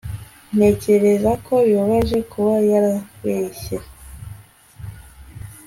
Ntekereza ko bibabaje kuba yarabeshye